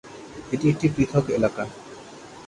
এটি একটি পৃথক এলাকা।